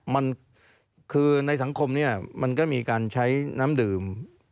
มันคือในสังคมเนี่ยมันก็มีการใช้น้ำดื่ม